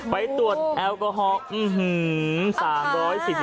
ไปตรวจแอลกอฮอล์